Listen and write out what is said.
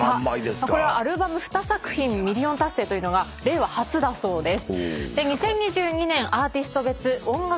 これはアルバム２作品ミリオン達成というのが令和初だそうです。